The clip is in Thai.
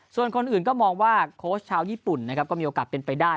ส่วนคนอื่นก็มองว่าโค้ชชาวญี่ปุ่นนะครับก็มีโอกาสเป็นไปได้